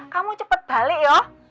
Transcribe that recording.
kamu cepet balik ya